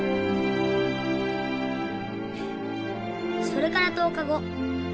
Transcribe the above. それから１０日後